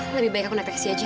lebih baik aku naik teksi aja